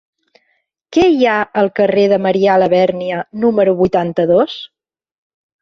Què hi ha al carrer de Marià Labèrnia número vuitanta-dos?